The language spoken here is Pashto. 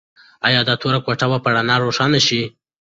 ایا دا توره کوټه به په رڼا روښانه شي؟